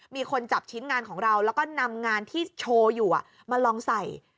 มีคนจับชิ้นงานของเราแล้วก็นำงานที่โชว์อยู่มาลองใส่